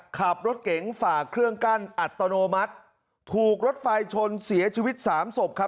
ขับรถเก๋งฝ่าเครื่องกั้นอัตโนมัติถูกรถไฟชนเสียชีวิตสามศพครับ